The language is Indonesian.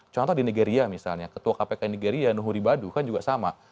contoh di nigeria misalnya ketua kpk nigeria nuhuri badu kan juga sama